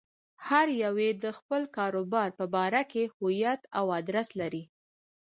هر يو يې د خپل کاروبار په باره کې هويت او ادرس لري.